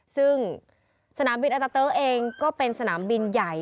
ซึ่งสนามบินอัตาเตอร์เองก็เป็นสนามบินใหญ่